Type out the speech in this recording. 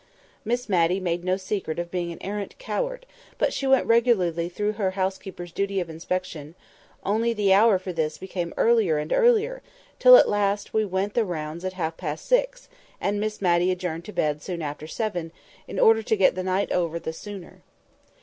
Miss Matty made no secret of being an arrant coward, but she went regularly through her housekeeper's duty of inspection—only the hour for this became earlier and earlier, till at last we went the rounds at half past six, and Miss Matty adjourned to bed soon after seven, "in order to get the night over the sooner."